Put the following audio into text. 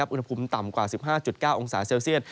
อุณหภูมิต่ำกว่า๑๕๙องศาเซลเซียต